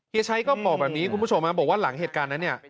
ใช้ก็บอกแบบนี้คุณผู้ชมบอกว่าหลังเหตุการณ์นั้นเนี่ย